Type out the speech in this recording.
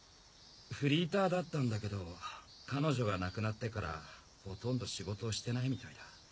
フリーターだったんだけど彼女が亡くなってからほとんど仕事をしてないみたいだ。